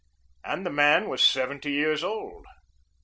And the man was seventy years old.